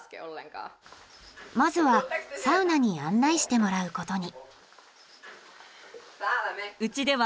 まずはサウナに案内してもらうことに。